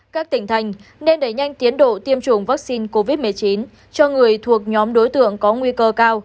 các tỉnh thành nên đẩy nhanh tiến độ tiêm chủng vaccine covid một mươi chín cho người thuộc nhóm đối tượng có nguy cơ cao